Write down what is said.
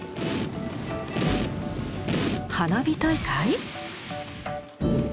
花火大会？